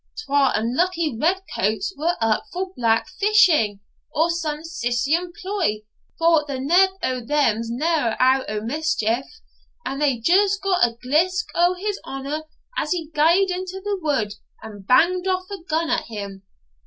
Twa unlucky red coats were up for black fishing, or some siccan ploy for the neb o' them's never out o' mischief and they just got a glisk o' his Honour as he gaed into the wood, and banged aff a gun at him.